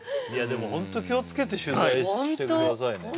でもホント気をつけて取材してくださいね